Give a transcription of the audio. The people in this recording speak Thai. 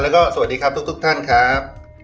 แล้วก็สวัสดีครับทุกท่านครับ